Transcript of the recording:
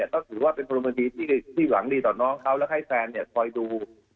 ก็ถือว่าเป็นพลเมืองดีที่หวังดีต่อน้องเขาและให้แฟนคอยดู